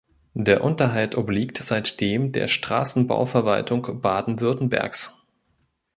Der Unterhalt obliegt seitdem der Straßenbauverwaltung Baden-Württembergs.